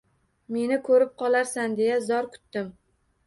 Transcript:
Meni ko’rib qolarsan deya zor kutdim.